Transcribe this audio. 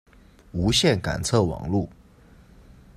无线感测网路。